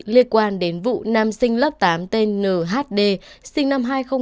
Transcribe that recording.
liên quan đến vụ nam sinh lớp tám tên nhd sinh năm hai nghìn một mươi